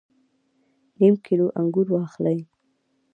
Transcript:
نیم کیلو انګور واخلئ